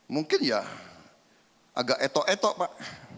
mungkin ya agak etok etok pak